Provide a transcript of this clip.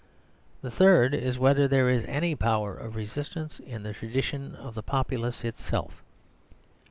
The third is whether there is any power of resistance in the tradition of the populace itself.